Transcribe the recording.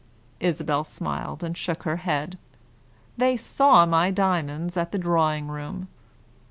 Isabel smiled and shook her head. "They saw my diamonds at the drawing room."